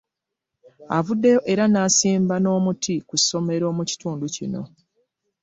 Avuddeyo era n'asimba n'omuti ku ssomero mu kitundu kino.